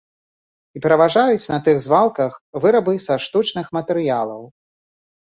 І пераважаюць на тых звалках вырабы са штучных матэрыялаў.